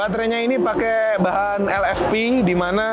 baterainya ini pakai bahan lfp dimana